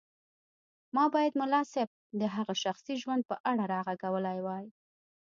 ما بايد ملا صيب د هغه شخصي ژوند په اړه راغږولی وای.